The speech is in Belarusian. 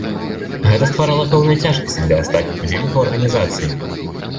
Гэта стварала пэўныя цяжкасці для астатніх удзельнікаў арганізацыі.